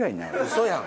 嘘やん！